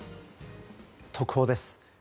特報です。